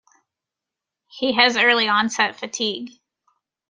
He has early onset fatigue.